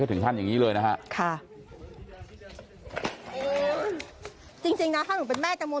ก็ถึงท่านอย่างนี้เลยนะฮะค่ะจริงนะถ้าหนูเป็นแม่กระโมง